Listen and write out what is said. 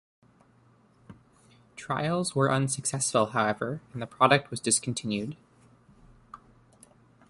Trials were unsuccessful however, and the product was discontinued.